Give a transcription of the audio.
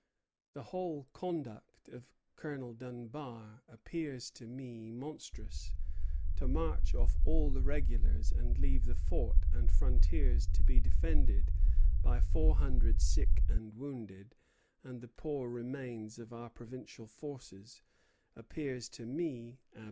The whole conduct of Colonel Dunbar appears to me monstrous.... To march off all the regulars, and leave the fort and frontiers to be defended by four hundred sick and wounded, and the poor remains of our provincial forces, appears to me absurd."